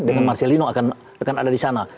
dengan marcelino akan ada di sana